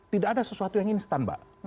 tidak ada sesuatu yang instan mbak